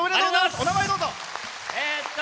お名前、どうぞ。